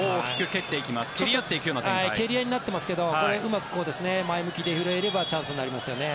蹴り合っていますけどうまく前向きで拾えればチャンスになりますよね。